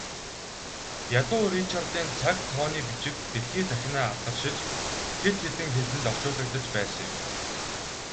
Ядуу Ричардын цаг тооны бичиг дэлхий дахинаа алдаршиж, хэд хэдэн хэлэнд орчуулагдаж байсан юм.